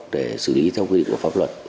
để xử lý theo quy định của pháp luật